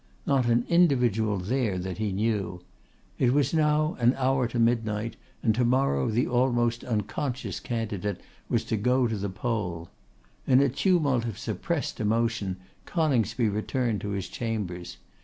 Not an individual there that he knew. It was now an hour to midnight, and to morrow the almost unconscious candidate was to go to the poll. In a tumult of suppressed emotion, Coningsby returned to his chambers.